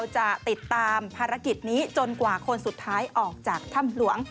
จะติดตามภารกิจนี้จนกว่าคนสุดท้ายออกจากถ้ำหลวง